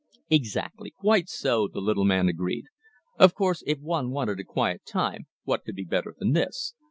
"Exactly! Quite so!" the little man agreed. "Of course, if one wanted a quiet time, what could be better than this?